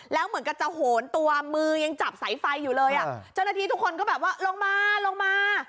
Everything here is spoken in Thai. แล้วเหมือนกับจะโหนตัวมือยังจับสายไฟอยู่เลยอ่ะเจ้าหน้าที่ทุกคนก็แบบว่าลงมาลงมา